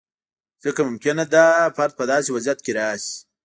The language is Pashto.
ځکه ممکنه ده فرد په داسې وضعیت کې راشي.